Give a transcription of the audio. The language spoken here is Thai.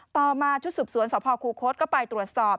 ต่อมาชุดสืบสวนสพคูคศก็ไปตรวจสอบ